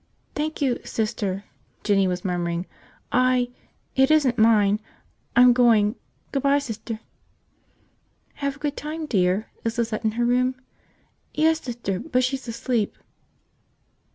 "Thank you, Sister," Jinny was murmuring. "I. .. it isn't mine ... I'm going ... good by, 'Ster!" "Have a good time, dear. Is Lizette in her room?" "Yes, 'Ster. But she's asleep."